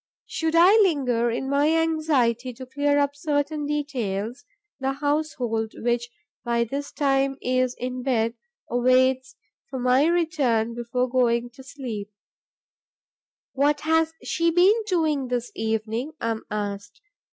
Should I linger, in my anxiety to clear up certain details, the household, which by this time is in bed, waits for my return before going to sleep: 'What has she been doing this evening?' I am asked.